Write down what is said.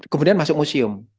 kemudian masuk museum